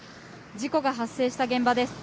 事故が発生した現場です。